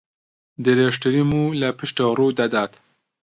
درێژترین موو لە پشتەوە ڕوو دەدات